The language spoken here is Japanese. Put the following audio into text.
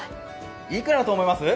いくらだと思います？